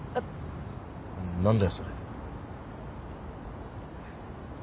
何だよそれ。